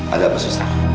ada apa sustan